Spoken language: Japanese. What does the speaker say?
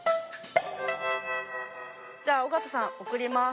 じゃあ尾形さん送ります。